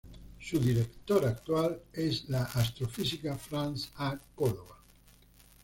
Su directora actual es la astrofísica France A. Córdova.